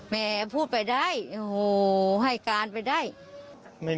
แม่พูดไปได้โอ้โหให้การไปได้